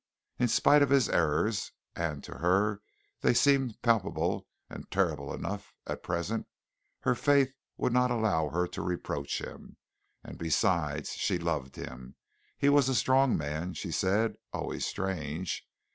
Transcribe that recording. In spite of his errors, and to her they seemed palpable and terrible enough at present, her faith would not allow her to reproach him, and besides she loved him. He was a strong man, she said, always strange.